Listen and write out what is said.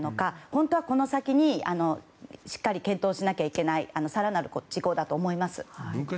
本当は、この先にしっかり検討しなければならない更なる事項だと思います。